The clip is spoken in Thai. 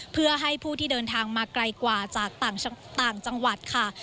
เพื่อให้ผู้ที่เดินทางมาไกลกว่าจากต่างจังหวัดค่ะ